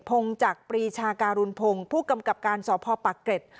พงศ์จากปรีชาการุณพงศ์ผู้กำกับการสพปักเกร็ด